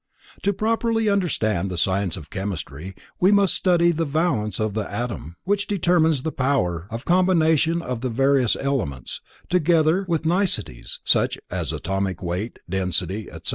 To properly understand the science of chemistry we must study the valence of the atom which determines the power of combination of the various elements, together with other niceties, such as atomic weight, density, etc.